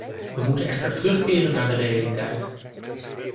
We moeten echter terugkeren naar de realiteit.